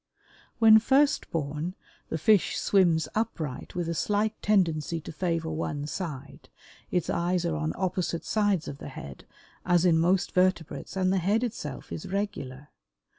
When first born the fish swims upright with a slight tendency to favor one side; its eyes are on opposite sides of the head, as in most vertebrates and the head itself is regular.